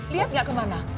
lihat gak kemana